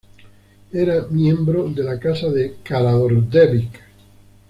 Era miembro de la casa de Karađorđević.